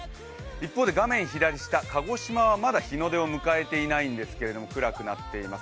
一方で画面左下、鹿児島はまだ日の出を迎えていないんですが、暗くなっています。